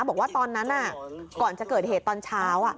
บอกว่าตอนนั้นก่อนจะเกิดเหตุตอนเช้า